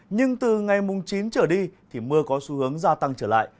nhưng từ ngày mùng chín trở đi thì mưa có xu hướng gia tăng trở lại